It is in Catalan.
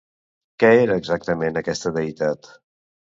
Què era exactament aquesta deïtat?